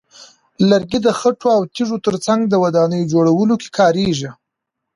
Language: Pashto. لرګي د خټو او تیږو ترڅنګ د ودانیو جوړولو کې کارېږي.